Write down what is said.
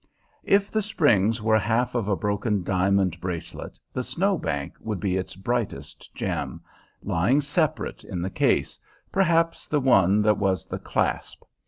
If the springs were the half of a broken diamond bracelet, the Snow Bank would be its brightest gem, lying separate in the case perhaps the one that was the clasp.